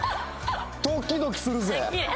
ドキドキするぜ！